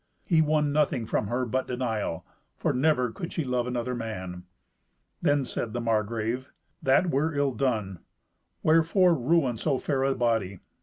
He won nothing from her but denial, for never could she love another man. Then said the Margrave, "That were ill done. Wherefore ruin so fair a body?